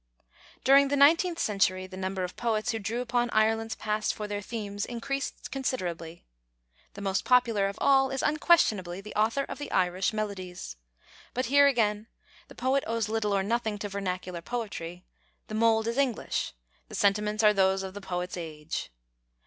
During the nineteenth century, the number of poets who drew upon Ireland's past for their themes increased considerably. The most popular of all is unquestionably the author of the Irish Melodies. But, here again, the poet owes little or nothing to vernacular poetry, the mould is English, the sentiments are those of the poet's age.